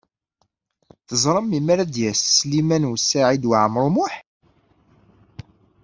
Teẓram melmi ara d-yas Sliman U Saɛid Waɛmaṛ U Muḥ?